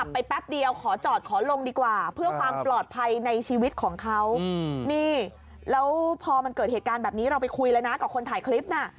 แป๊บเดียวขอจอดขอลงดีกว่าเพื่อความปลอดภัยในชีวิตของเขานี่แล้วพอมันเกิดเหตุการณ์แบบนี้เราไปคุยเลยนะกับคนถ่ายคลิปน่ะ